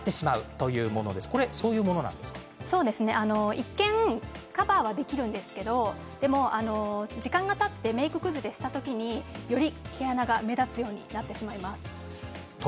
一見カバーはできるんですけれども時間がたってメーク崩れした時により毛穴が目立つようになってしまいます。